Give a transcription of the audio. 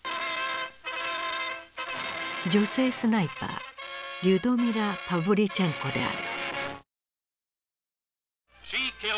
女性スナイパーリュドミラ・パヴリチェンコである。